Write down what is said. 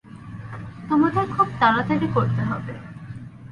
তোমাদের খুব তাড়াতাড়ি করতে হবে।